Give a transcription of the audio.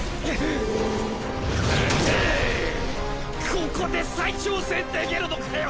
ここで再調整できるのかよ